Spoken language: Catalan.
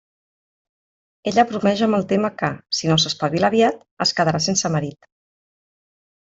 Ella bromeja amb el tema que, si no s'espavila aviat, es quedarà sense marit.